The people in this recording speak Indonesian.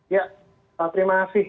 ya terima kasih